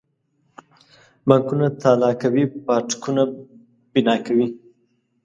بانکونه تالا کوي پاټکونه بنا کوي.